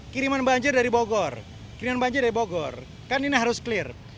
kiriman banjir dari bogor kan ini harus clear